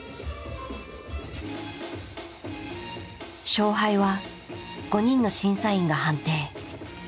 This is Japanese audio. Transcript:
勝敗は５人の審査員が判定。